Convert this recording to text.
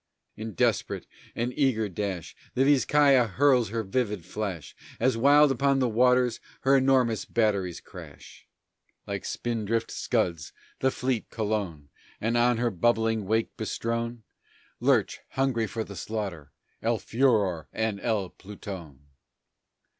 In desperate and eager dash The Vizcaya hurls her vivid flash, As wild upon the waters her enormous batteries crash; Like spindrift scuds the fleet Colon, And, on her bubbling wake bestrown, Lurch, hungry for the slaughter, El Furor and El Pluton.